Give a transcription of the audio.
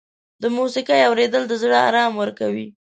د موسیقۍ اورېدل د زړه آرام ورکوي.